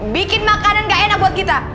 bikin makanan gak enak buat kita